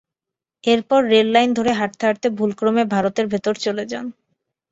এরপর রেললাইন ধরে হাঁটতে হাঁটতে ভুলক্রমে ভারতের ভেতরে চলে যান।